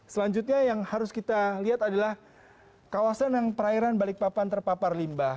selanjutnya yang harus kita lihat adalah kawasan yang perairan balikpapan terpapar limbah